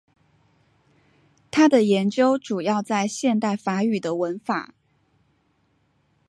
他的研究主要在现代法语的文法。